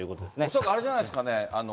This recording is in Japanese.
恐らくあれじゃないですかね。